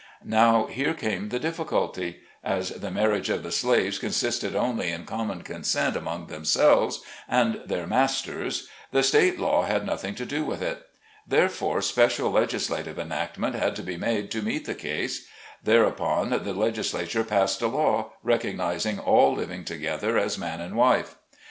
Now here came the difficulty ; as the marriage of the slaves consisted only in common consent among themselves and their masters, the state law had nothing to do with it. Therefore, special legislative enactment had to be made to meet the case ; there upon the legislature passed a law, recognizing all living together as man and wife.